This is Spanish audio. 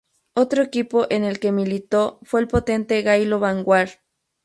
Otro equipo en el que militó fue el potente Gaylo-Vanguard.